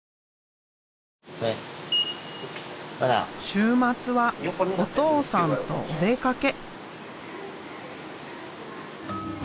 週末はお父さんとお出かけ。